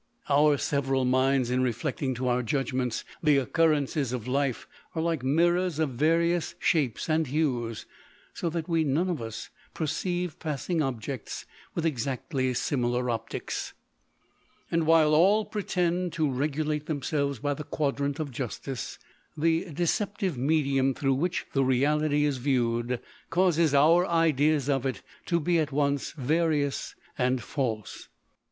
Our several minds, in reflecting to our judgments the occurrences of life, are like mirrors of various shapes and hues, so that we none of us perceive passing objects with ex actly similar optics ; and while all pretend to regulate themselves by the quadrant of justice, the deceptive medium through which the reality is viewed, causes our ideas of it to be at once various and false.